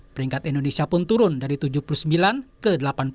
peringkat indonesia pun turun dari tujuh puluh sembilan ke delapan puluh